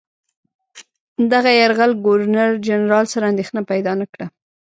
دغه یرغل ګورنرجنرال سره اندېښنه پیدا نه کړه.